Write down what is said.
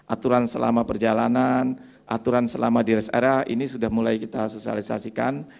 aturan selama perjalanan aturan selama di rest area ini sudah mulai kita sosialisasikan